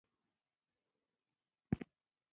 انقباض د یو جسم د حجم لږوالی دی.